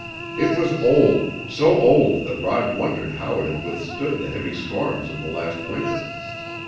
It was old, so old that Rod wondered how it had withstood the heavy storms of the last winter.